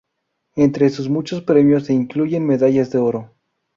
Entre sus muchos premios se incluyen medallas de oro.